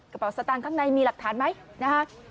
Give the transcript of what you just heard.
กระเป๋าสตางค์ข้างในมีหลักฐานไหมนะฮะ